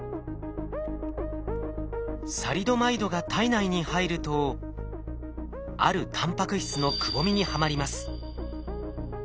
サリドマイドが体内に入るとあるタンパク質のくぼみにはまります。